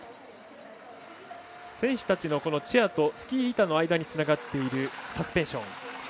選手たちのチェアとスキー板の間につながっているサスペンション。